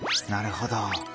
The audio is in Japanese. なるほど。